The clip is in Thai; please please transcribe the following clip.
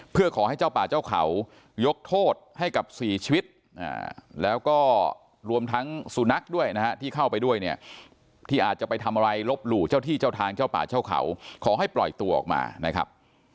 เพื่อขอให้เจ้าป่าเจ้าเขายกโทษให้กับ๔ชีวิตแล้วก็รวมทั้งสุนัขด้วยนะฮะที่เข้าไปด้วยเนี่ยที่อาจจะไปทำอะไรลบหลู่เจ้าที่เจ้าทางเจ้าป่าเจ้าเขาขอให้ปล่อยตัวออกมานะครับ